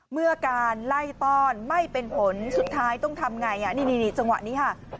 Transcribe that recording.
เมื่อการไล่ต้อนไม่เป็นผลสุดท้ายต้องทำไงนี่จังหวะนี้ค่ะ